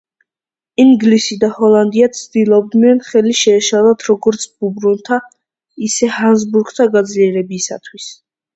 ინგლისი და ჰოლანდია ცდილობდნენ ხელი შეეშალათ როგორც ბურბონთა, ისე ჰაბსბურგთა გაძლიერებისათვის.